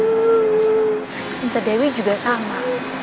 tante dewi juga sama